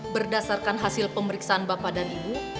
berdasarkan hasil pemeriksaan bapak dan ibu